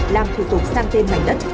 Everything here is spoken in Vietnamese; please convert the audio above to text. làm thủ tục sang tên mảnh đất